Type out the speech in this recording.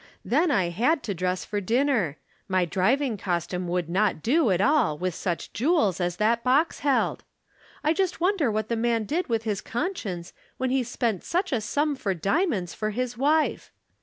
Then I had to dress for dinner; my driving costume would not do at all with such jewels as that box held ! I just wonder what the man did with his conscience when he spent such a sum for diamonds for his wife